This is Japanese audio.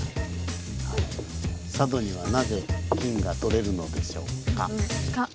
「佐渡にはなぜ金がとれるのでしょうか」。